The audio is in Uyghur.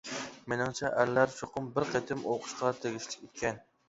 مېنىڭچە ئەرلەر چوقۇم بىر قېتىم ئوقۇشقا تېگىشلىك ئىكەن.